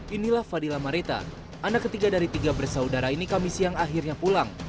inilah fadila mareta anak ketiga dari tiga bersaudara ini kami siang akhirnya pulang